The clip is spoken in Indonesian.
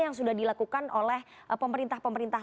yang sudah dilakukan oleh pemerintah pemerintah